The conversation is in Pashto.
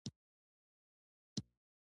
دوی پر فرد او ټولنه کنټرول تحمیلوي.